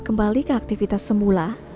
kembali ke aktivitas semula